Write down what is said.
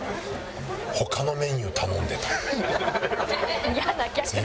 他のメニュー頼んでた。